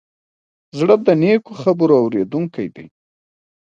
زړه د نیکو خبرو اورېدونکی دی.